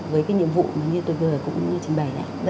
với cái nhiệm vụ mà như tôi vừa cũng trình bày này